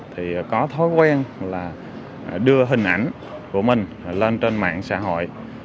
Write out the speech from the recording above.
thì có thói quen là đưa hình ảnh của mình lên trên mạng xã hội